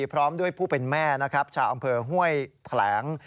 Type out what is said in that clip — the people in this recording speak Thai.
พร้อมด้วยผู้เป็นแม่นะครับชาวอำเภอห้วยแถลง